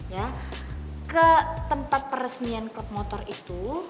ya ke tempat peresmian klub motor itu